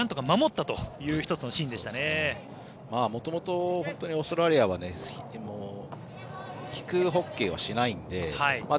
もともと、本当にオーストラリアは引くホッケーをしないので。